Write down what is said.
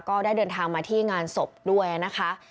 ก็ได้เดินทางมาที่งานศพด้วยนะคะ